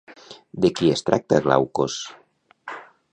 De qui es tracta Glaucos?